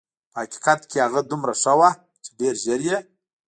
په حقیقت کې هغه دومره ښه وه چې ډېر ژر یې.